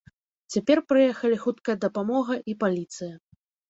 Цяпер прыехалі хуткая дапамога і паліцыя.